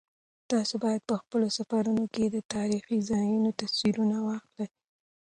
تاسو باید په خپلو سفرونو کې د تاریخي ځایونو تصویرونه واخلئ.